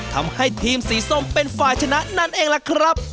ทำให้ทีมสีส้มเป็นฝ่ายชนะนั่นเองล่ะครับ